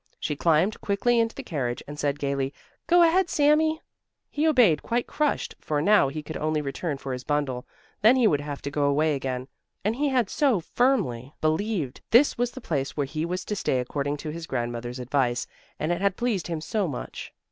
She climbed quickly into the carriage and said gaily: "Go ahead, Sami!" He obeyed quite crushed, for now he could only return for his bundle; then he would have to go away again, and he had so firmly believed this was the place where he was to stay according to his grandmother's advice, and it had pleased him so much.